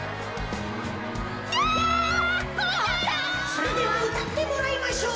それではうたってもらいましょう。